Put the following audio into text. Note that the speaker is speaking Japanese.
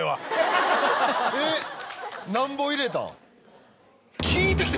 えっ？